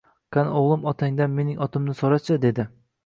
Qani, o'g'lim, otangdan mening otimni so'rachi? —dedi